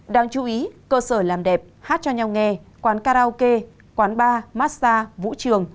đáng chú ý cơ sở làm đẹp hát cho nhau nghe quán karaoke quán bar massage vũ trường